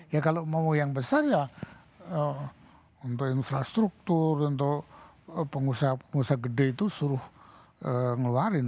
ya kalau mau yang besar ya untuk infrastruktur untuk pengusaha pengusaha gede itu suruh ngeluarin